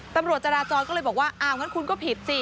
ตำรวจจราจรก็เลยบอกว่าอ้าวงั้นคุณก็ผิดสิ